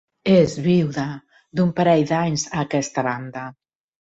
És viuda d'un parell d'anys a aquesta banda.